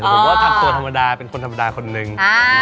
ผมก็ทำตัวธรรมดาเป็นคนธรรมดาคนนึง